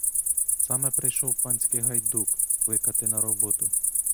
Саме прийшов панський гайдук кликати на роботу.